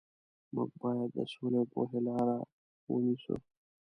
موږ باید د سولې او پوهې لارې ونیسو.